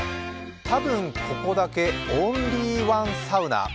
「たぶんここだけ！？オンリーワンサウナ」。